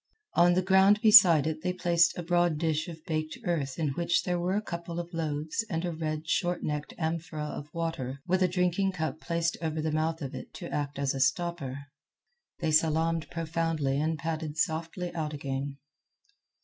On the ground beside it they placed a broad dish of baked earth in which there were a couple of loaves and a red, short necked amphora of water with a drinking cup placed over the mouth of it to act as a stopper. They salaamed profoundly and padded softly out again.